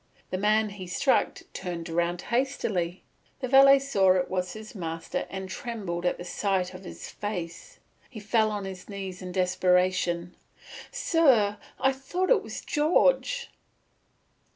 The man he struck turned round hastily. The valet saw it was his master and trembled at the sight of his face. He fell on his knees in desperation. "Sir, I thought it was George."